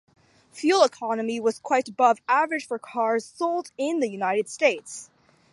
Fuel economy was quite above average for cars sold in the United States.